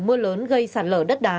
mưa lớn gây sạt lở đất đá